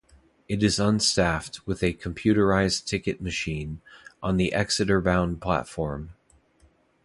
It is unstaffed, with a computerised ticket machine on the Exeter-bound platform.